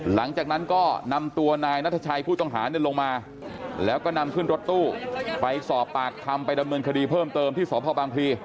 หลังจากนั้นก็นำตัวนายนัทชัยผู้ต้องหาลงมาแล้วก็นำขึ้นรถตู้ไปสอบปากคำไปดำเนินคดีเพิ่มเติมที่สพบางพลี